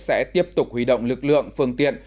sẽ tiếp tục huy động lực lượng phương tiện